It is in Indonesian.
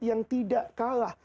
yang tidak kalah